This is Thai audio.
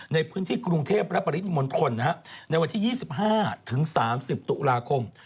ในพื้นที่กรุงเทพฯประปริศนิมนตร์คนนะฮะในวันที่๒๕๓๐ตุลาคม